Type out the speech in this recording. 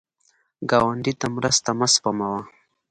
ګاونډي ته مرسته مه سپموه